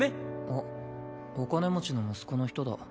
あっお金持ちの息子の人だ。